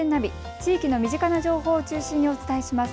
地域の身近な情報を中心にお伝えします。